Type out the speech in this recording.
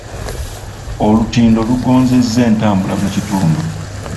Olutindo lugonzezza entambula mu kitundu.